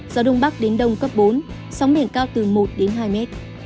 gió đông bắc đến đông cấp bốn sóng biển cao từ một hai m